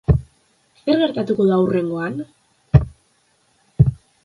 Zer gertatuko da hurrengoan?